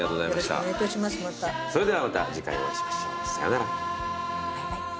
それではまた次回お会いしましょうさよなら。